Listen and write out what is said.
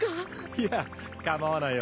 いや構わないよ。